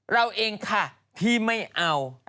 เราเองค่ะที่ไม่เอา